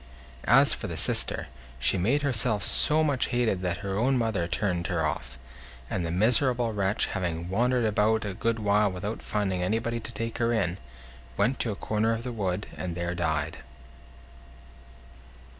As for the sister, she made herself so much hated that her own mother turned her off; and the miserable wretch, having wandered about a good while without finding anybody to take her in, went to a corner of the wood, and there died.